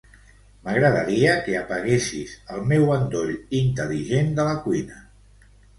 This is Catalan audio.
M'agradaria que apaguessis el meu endoll intel·ligent de la cuina.